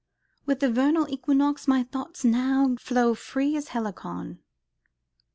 With the vernal equinox my thoughts flow free as Helicon."